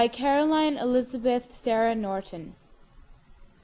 Caroline Elizabeth Sarah Norton.